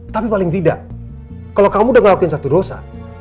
tapi paling tidak kalau kamu udah ngelakuin satu dosa